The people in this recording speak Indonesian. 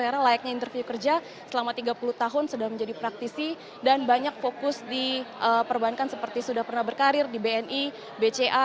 karena layaknya interview kerja selama tiga puluh tahun sudah menjadi praktisi dan banyak fokus di perbankan seperti sudah pernah berkarir di bni bca